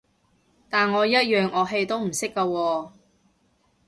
但我一樣樂器都唔識㗎喎